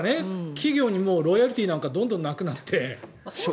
企業にロイヤリティーなんてどんどんなくなって。